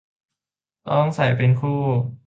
ต้องใส่เป็นคู่